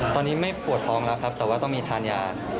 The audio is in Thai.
ตอนนี้ไม่ปวดท้องแล้วครับแต่ว่าต้องมีทานยา